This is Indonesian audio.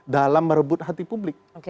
dalam merebut hati publik